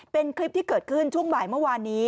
เป็นคลิปที่เกิดขึ้นช่วงบ่ายเมื่อวานนี้